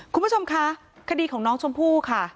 คุณผู้ชมคะคดีของน้องชมพู่ค่ะ